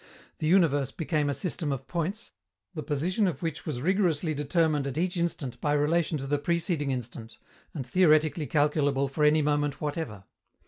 The universe became a system of points, the position of which was rigorously determined at each instant by relation to the preceding instant and theoretically calculable for any moment whatever.